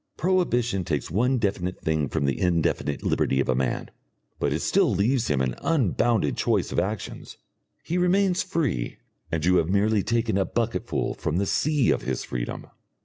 Prohibition takes one definite thing from the indefinite liberty of a man, but it still leaves him an unbounded choice of actions. He remains free, and you have merely taken a bucketful from the sea of his freedom.